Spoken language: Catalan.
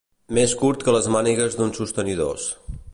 Més curt que les mànigues d'uns sostenidors.